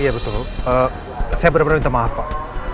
iya betul saya benar benar minta maaf pak